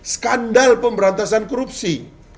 skandal pemberantasan korupsi